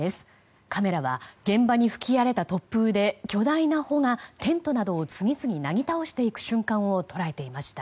カメラは現場に吹き荒れた突風で巨大な帆がテントなどを次々なぎ倒していく瞬間を捉えていました。